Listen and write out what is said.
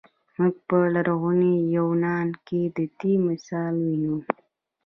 موږ په لرغوني یونان کې د دې مثال وینو.